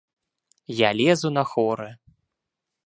Я лезу на хоры.